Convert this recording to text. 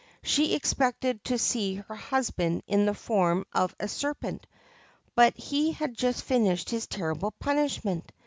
She expected to see her husband in the form of a serpent, but he had just finished his terrible punishment.